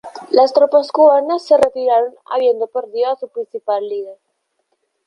Las tropas cubanas se retiraron habiendo perdido a su principal líder.